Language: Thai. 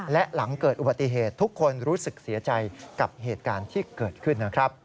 และหลังเกิดอุบัติเหตุทุกคนรู้สึกเสียใจกับเหตุการณ์ที่เกิดขึ้นนะครับ